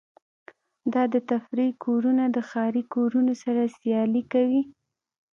دا د تفریح کورونه د ښاري کورونو سره سیالي کوي